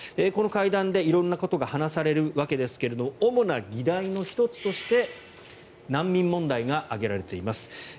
この会談で色んなことが話されるわけですが主な議題の１つとして難民問題が挙げられています。